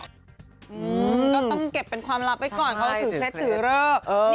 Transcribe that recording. ก็ต้องเก็บเป็นความลับไว้ก่อนเขาถือเคล็ดถือเลิก